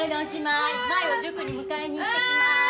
舞を塾に迎えにいってきまーす！